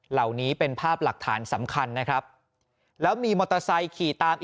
เหล่านี้เป็นภาพหลักฐานสำคัญนะครับแล้วมีมอเตอร์ไซค์ขี่ตาม